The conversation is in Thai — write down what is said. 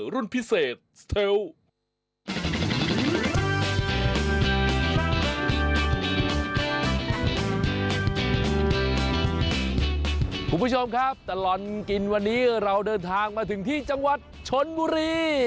คุณผู้ชมครับตลอดกินวันนี้เราเดินทางมาถึงที่จังหวัดชนบุรี